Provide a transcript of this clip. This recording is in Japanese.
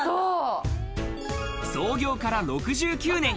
創業から６９年。